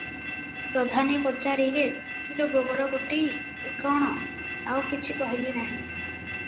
ପ୍ରଧାନେ ପଚାରିଲେ- "କିଲୋ ଗୋବରଗୋଟେଇ ଏ କଣ?" ଆଉ କିଛି କହିଲେ ନାହିଁ ।